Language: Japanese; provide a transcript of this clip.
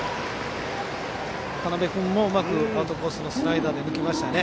渡辺君もうまくアウトコースのスライダーで抜きましたね。